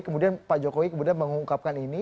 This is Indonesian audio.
kemudian pak jokowi kemudian mengungkapkan ini